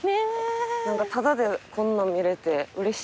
何かタダでこんなん見れてうれしいです。